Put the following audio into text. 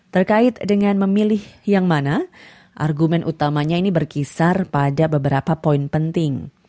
terkait dengan memilih yang mana argumen utamanya ini berkisar pada beberapa poin penting